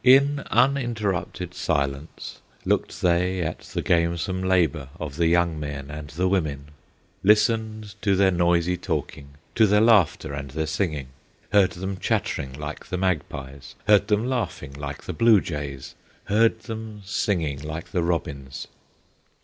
In uninterrupted silence Looked they at the gamesome labor Of the young men and the women; Listened to their noisy talking, To their laughter and their singing, Heard them chattering like the magpies, Heard them laughing like the blue jays, Heard them singing like the robins.